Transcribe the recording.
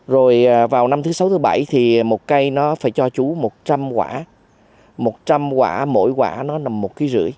rồi vào năm thứ sáu thứ bảy thì một cây nó phải cho chú một trăm linh quả một trăm linh quả mỗi quả nó nằm một năm kg